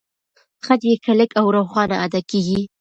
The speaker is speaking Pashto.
خج يې کلک او روښانه ادا کېږي.